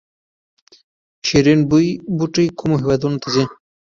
شیرین بویې بوټی کومو هیوادونو ته ځي؟